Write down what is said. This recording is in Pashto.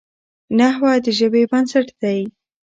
نحوه د ژبي بنسټ دئ.